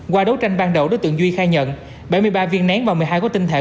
qua đấu tranh ban đầu đối tượng duy khai nhận bảy mươi ba viên nén và một mươi hai gói tinh thể